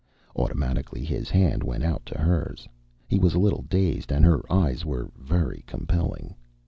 Automatically his hand went out to hers. He was a little dazed, and her eyes were very compelling.